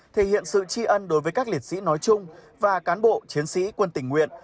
thể hiện sự tri ân đối với các liệt sĩ nói chung và cán bộ chiến sĩ quân tình nguyện